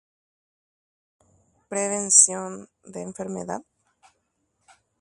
Mba'asy jejoko.